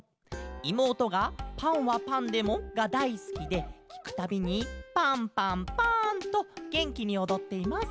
「いもうとが『パンはパンでも！？』がだいすきできくたびに『パンパンパン』とげんきにおどっています。